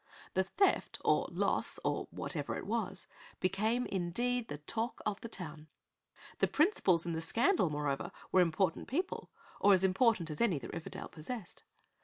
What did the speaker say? The theft, or loss, or whatever it was, became indeed the "talk of the town." The principals in the scandal, moreover, were important people, or as important as any that Riverdale possessed.